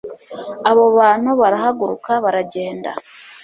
abo bantu barahaguruka, baragenda